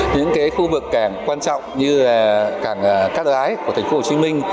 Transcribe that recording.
những khu vực cảng quan trọng như là cảng cát lái của thành phố hồ chí minh